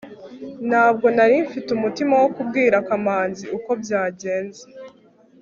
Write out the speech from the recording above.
ntabwo nari mfite umutima wo kubwira kamanzi uko byagenze